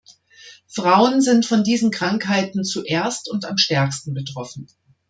Frauen sind von diesen Krankheiten zuerst und am stärksten betroffen.